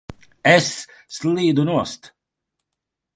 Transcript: Es slīdu nost!